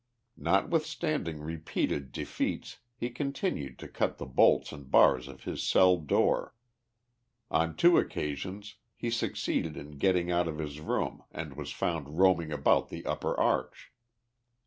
Notwithstanding repeated defeats he continued to cut the bolts and bars of his cell door. Oil two occasions he succeeded in getting out of his room and was found roaming about the upper arch.